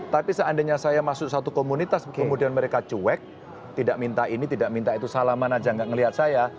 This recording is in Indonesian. tapi seandainya saya masuk satu komunitas kemudian mereka cuek tidak minta ini tidak minta itu salaman aja nggak ngeliat saya